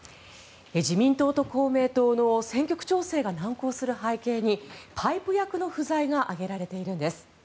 自民党と公明党の選挙区調整が難航する背景にパイプ役の不在が挙げられているんです。